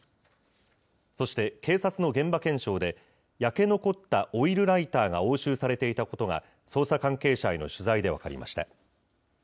そして警察の現場検証で、焼け残ったオイルライターが押収されていたことが、捜査関係者への取材で分かりました。